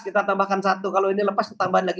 kita tambahkan satu kalau ini lepas tambahan lagi